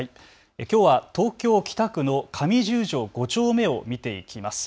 きょうは東京北区の上十条５丁目を見ていきます。